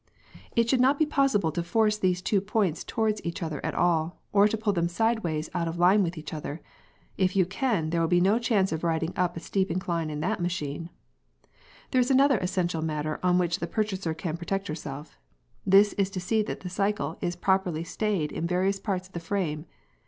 It should not be possible to force these two points towards each other at all, or to pull them sideways out of line with each other. If you can, there will be no chance of riding up a steep incline on that machine! There is another essential matter on which the purchaser can protect herself. This is to see that the cycle is properly stayed in various parts of the frame.